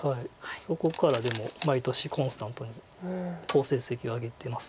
そこからでも毎年コンスタントに好成績を上げてます。